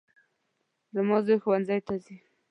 زما زوی ښوونځي ته ځي